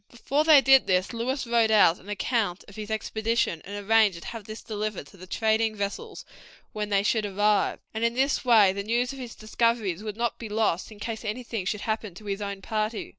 Before they did this Lewis wrote out an account of his expedition, and arranged to have this delivered to the trading vessels when they should arrive, and in this way the news of his discoveries would not be lost in case anything should happen to his own party.